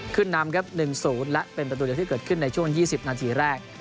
ขึ้นนำครับ๑๐และเป็นประตูเดียวที่เกิดขึ้นในช่วง๒๐นาทีแรก